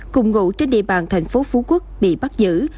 cùng ngụ trên địa bàn thành phố phú quốc bị bắt giữ